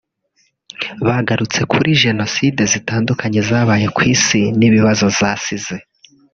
bagarutse kuri Jenoside zitandukanye zabaye ku Isi n’ibibazo zasize